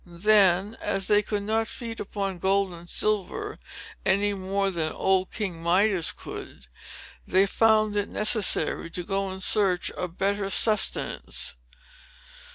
Then, as they could not feed upon gold and silver any more than old King Midas could, they found it necessary to go in search of better sustenance.